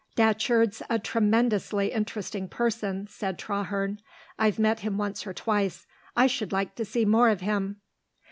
"Datcherd's a tremendously interesting person," said Traherne. "I've met him once or twice; I should like to see more of him."